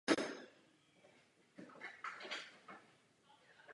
Situace se opakovala na prahu druhé světové války.